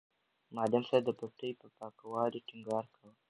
معلم صاحب د پټي په پاکوالي ټینګار کاوه.